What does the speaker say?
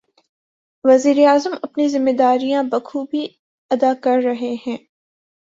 وزیر اعظم اپنی ذمہ داریاں بخوبی ادا کر رہے ہیں۔